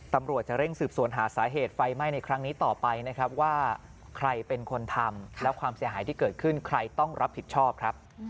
ตำรวจจะเร่งสืบสวนหาสาเหตุไฟไหม้ในครั้งนี้ต่อไปนะครับว่าใครเป็นคนทำและความเสียหายที่เกิดขึ้นใครต้องรับผิดชอบครับ